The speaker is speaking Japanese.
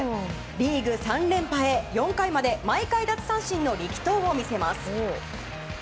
リーグ３連覇へ４回まで毎回奪三振の力投を見せます。